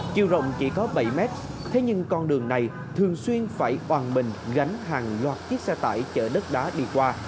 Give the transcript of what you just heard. chiều rộng chỉ có bảy m thế nhưng con đường này thường xuyên phải toàn bình gánh hàng loạt chiếc xe tải chở đất đá đi qua